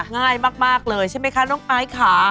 ง่ายมากเลยใช่มั้ยคะน้องป้ายขา